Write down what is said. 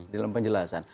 di dalam penjelasan